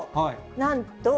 なんと。